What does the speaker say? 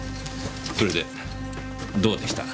それでどうでした？